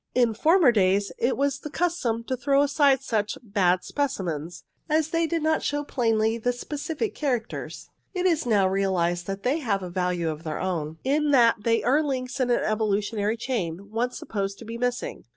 In former days it was the custom to throw aside such " bad specimens," as they did not show plainly the specific characters. It is now realized that they have a value of their own, in that they are the links in the evolutionary chain, once supposed to be missing.